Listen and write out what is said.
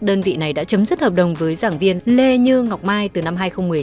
đơn vị này đã chấm dứt hợp đồng với giảng viên lê như ngọc mai từ năm hai nghìn một mươi hai